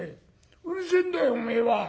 うるせえんだよおめえは」。